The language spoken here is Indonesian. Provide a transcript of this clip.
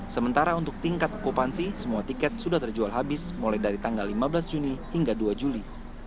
sementara untuk tingkat okupansi semua tiket sudah terjual habis mulai dari tanggal lima belas juni hingga dua juli